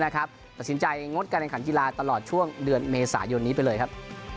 ตัดสินใจงดการแข่งขันกีฬาตลอดช่วงเดือนเมษายนนี้ไปเลยครับ